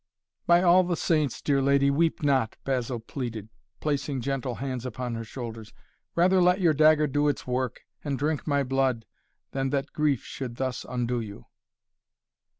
"By all the saints, dear lady, weep not," Basil pleaded, placing gentle hands upon her shoulders. "Rather let your dagger do its work and drink my blood, than that grief should thus undo you."